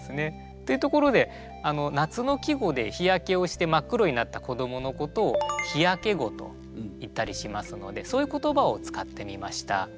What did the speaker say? っていうところで夏の季語で日焼けをして真っ黒になった子どものことを「日焼け子」といったりしますのでそういう言葉を使ってみました。